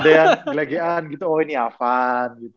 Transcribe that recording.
ada yang gelegean gitu oh ini avan gitu